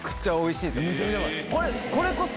これこそ。